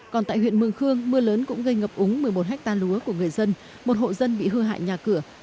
còn tại huyện mường khương mưa lớn cũng gây ngập úng một mươi một hectare lúa của người dân một hộ dân bị hư hại nhà cửa